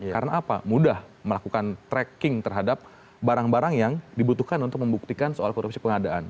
karena apa mudah melakukan tracking terhadap barang barang yang dibutuhkan untuk membuktikan soal korupsi pengadaan